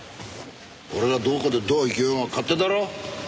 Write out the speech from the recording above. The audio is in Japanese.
俺がどこでどう生きようが勝手だろ！